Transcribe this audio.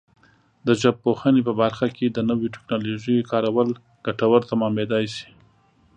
د ژبپوهنې په برخه کې د نویو ټکنالوژیو کارول ګټور تمامېدای شي.